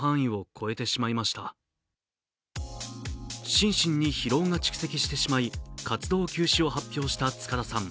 心身に疲労が蓄積してしまい、活動休止を発表した塚田さん。